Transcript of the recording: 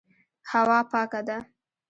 هوا پاکه ده.